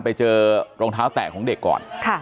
ไปเจอรองเท้าแตกของเด็กก่อน